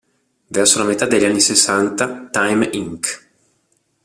Verso la metà degli anni sessanta Time Inc.